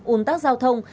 ủng tác giao thông